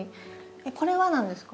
これは何ですか？